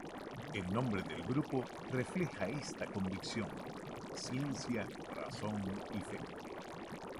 El nombre del grupo refleja esta convicción: ciencia, razón y fe.